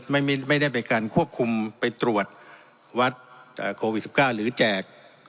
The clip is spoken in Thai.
ไม่มีไม่ได้เป็นการควบคุมไปตรวจวัดเอ่อโควิดสิบเกล้าหรือแจก